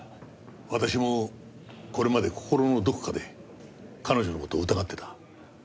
私もこれまで心のどこかで彼女の事を疑ってた。